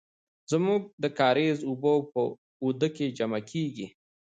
زمونږ د کاریز اوبه په آوده کې جمع کیږي.